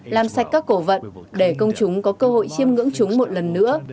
làm sạch các cổ vận để công chúng có cơ hội chiêm ngưỡng chúng một lần nữa